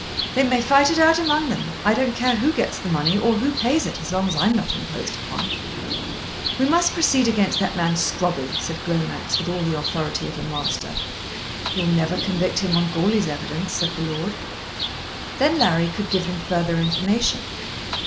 "They may fight it out among them. I don't care who gets the money or who pays it as long as I'm not imposed upon." "We must proceed against that man Scrobby," said Glomax with all the authority of a Master. "You'll never convict him on Goarly's evidence," said the Lord. Then Larry could give them further information.